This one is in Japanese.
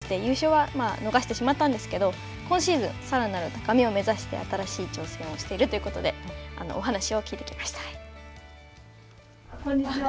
今回はジャンプのミスがあったりとかして優勝は逃してしまったんですけど、今シーズン、さらなる高みを目指して新しい挑戦をしてるということで、お話を聞いてきこんにちは。